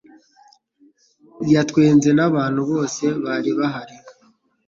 Yatwenze nabantu bose bari bahari.